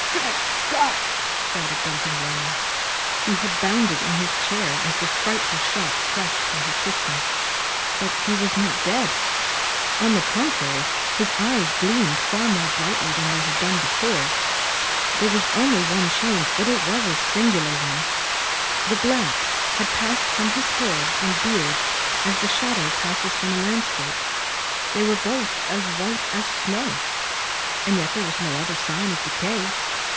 "Great Scott!" shouted Duncan Warner. He had bounded in his chair as the frightful shock crashed through his system. But he was not dead. On the contrary, his eyes gleamed far more brightly than they had done before. There was only one change, but it was a singular one. The black had passed from his hair and beard as the shadow passes from a landscape. They were both as white as snow. And yet there was no other sign of decay.